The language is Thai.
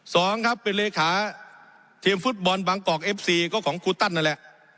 สองครับเป็นเลขาทีมฟุตบอลบางกอกเอฟซีก็ของครูตันนั่นแหละ